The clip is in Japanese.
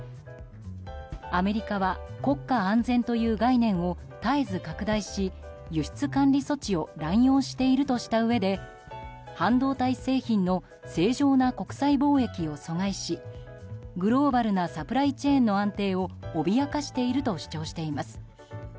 アメリカは国家安全という概念を絶えず拡大し、輸出管理措置を乱用しているとしたうえで半導体製品の正常な国際貿易を阻害しグローバルなサプライチェーンの安定を脅かしていると主張しています。